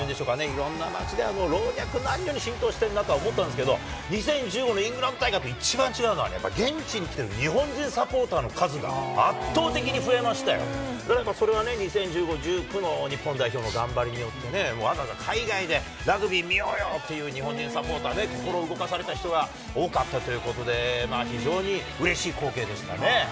いろんな町で老若男女に浸透しているなと思ったんですけど、２０１５年、イングランド大会と一番違うのは、現地に行ってる日本人サポーターの数が圧倒的に増えまして、それは２０１５、１９の日本代表の頑張りによってね、わざわざ海外でラグビー見ようよっていう日本人サポーターね、心動かされた人が多かったということで、非常にうれしい光景でしたね。